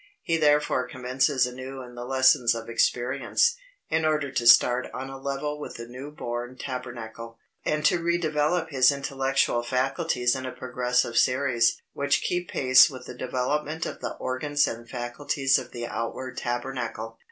He therefore commences anew in the lessons of experience, in order to start on a level with the new born tabernacle, and to re develope his intellectual faculties in a progressive series, which keep pace with the development of the organs and faculties of the outward tabernacle.